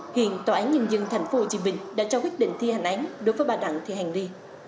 hiện tòa án nhân dân tp hcm đã trao quyết định thi hành án đối với bà đặng thị hàng ni